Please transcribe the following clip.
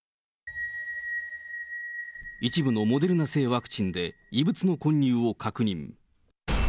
一部のモデルナ製ワクチンで、異物の混入を確認。